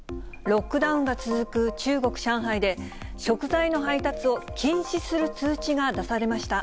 ロックダウンが続く中国・上海で、食材の配達を禁止する通知が出されました。